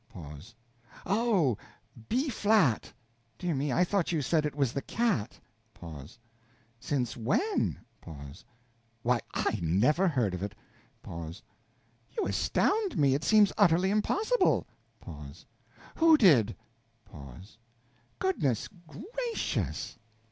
Pause Oh! B flat! Dear me, I thought you said it was the cat! Pause. Since when? Pause. Why, I never heard of it. Pause. You astound me! It seems utterly impossible! Pause. _Who _did? Pause. Good ness gracious!